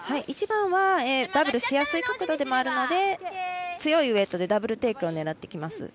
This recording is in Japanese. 一番はダブルをしやすい角度ではあるので強いウエットでダブルテイクを狙ってきます。